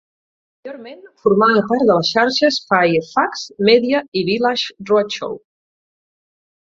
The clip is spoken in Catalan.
Anteriorment, formava part de les xarxes Fairfax Media i Village Roadshow.